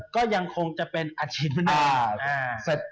ก็ยังคงจะเป็นอาชีพหนึ่ง